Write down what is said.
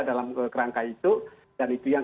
dalam kerangka itu dan itu yang